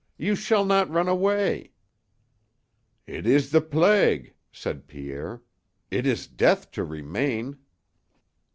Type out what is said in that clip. You shall not run away!" "It is the plague," said Pierre. "It is death to remain!"